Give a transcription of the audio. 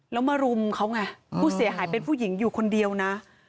แล้วมารุมเขาไงผู้เสียหายเป็นผู้หญิงอยู่คนเดียวนะ